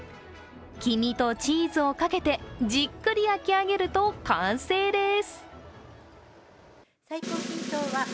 黄身とチーズをかけて、じっくり焼き上げると完成です。